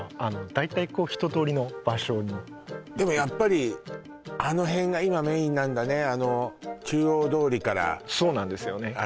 だいたいひととおりの場所にでもやっぱりあの辺が今メインなんだねあの中央通りからそうなんですよね